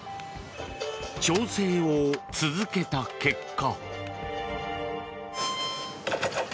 調整を続けた結果。